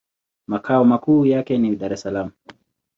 Makao makuu yake ni Dar-es-Salaam.